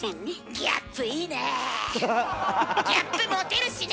ギャップモテるしね！